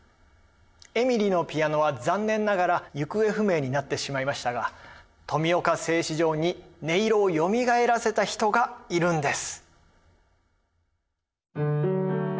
エミリのピアノは残念ながら行方不明になってしまいましたが富岡製糸場に音色をよみがえらせた人がいるんです。